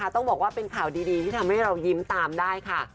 ต้องบอกว่าเป็นข่าวดีที่ทำให้เรายิ้มตามได้ค่ะ